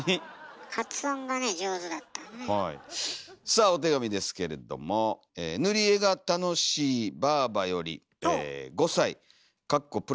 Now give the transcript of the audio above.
さあお手紙ですけれども「ぬりえが楽しいばぁばより５才」。